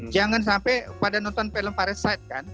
jangan sampai pada nonton film parasite kan